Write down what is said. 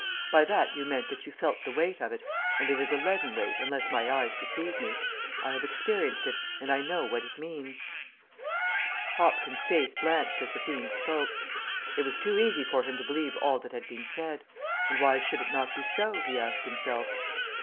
By that you meant that you felt the weight of it, and it is a leaden weight unless my eyes deceive me. I have experienced it, and I know what it means." Hopkins' face blanched as the fiend spoke. It was too easy for him to believe all that had been said; and why should it not be so, he asked himself.